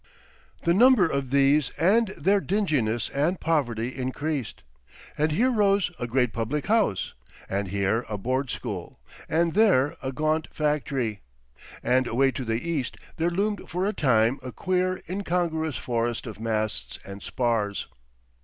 The number of these and their dinginess and poverty increased, and here rose a great public house and here a Board School and there a gaunt factory; and away to the east there loomed for a time a queer, incongruous forest of masts and spars.